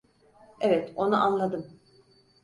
Evet, onu anladım.